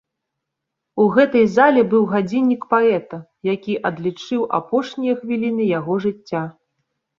У гэтай зале быў гадзіннік паэта, які адлічыў апошнія хвіліны яго жыцця.